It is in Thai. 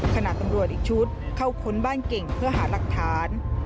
ขณะตำรวจอีกชุดเข้าค้นบ้านเก่งเพื่อหาหลักฐาน